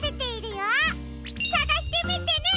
さがしてみてね！